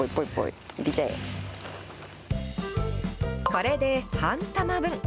これで半玉分。